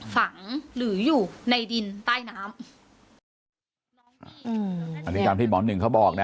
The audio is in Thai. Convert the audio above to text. ฝังหรืออยู่ในดินใต้น้ำอืมอันนี้ตามที่หมอหนึ่งเขาบอกนะ